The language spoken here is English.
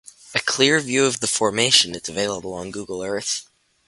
A clear view of the formation is available on Google Earth.